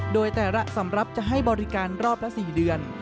โดยแต่ละสำหรับจะให้บริการรอบละ๔เดือน